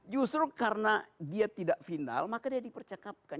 justru karena dia tidak final maka dia dipercakapkan